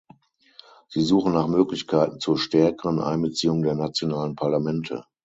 Sie suchen nach Möglichkeiten zur stärkeren Einbeziehung der nationalen Parlamente.